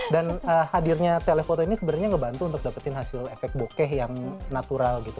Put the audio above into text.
dan hadirnya telephoto ini sebenarnya ngebantu untuk dapetin hasil efek bokeh yang natural gitu